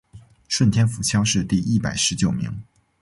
顺天府乡试第一百十九名。